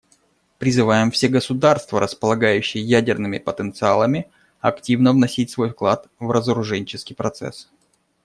Призываем все государства, располагающие ядерными потенциалами, активно вносить свой вклад в разоруженческий процесс.